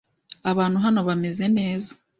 Abantu hano bameze neza.